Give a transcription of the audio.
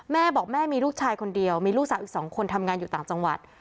แม่บอกแม่มีลูกชายคนเดียวมีลูกสาวอีก๒คนทำงานอยู่ต่างจังหวัด